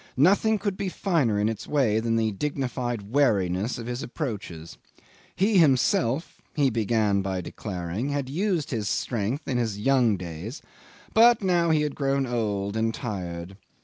Nothing could be finer in its way than the dignified wariness of his approaches. He himself he began by declaring had used his strength in his young days, but now he had grown old and tired.